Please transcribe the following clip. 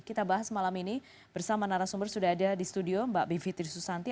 kita bahas malam ini bersama narasumber sudah ada di studio mbak bivitri susanti